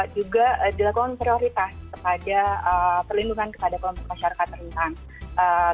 juga dilakukan prioritas kepada perlindungan kepada kelompok masyarakat rentan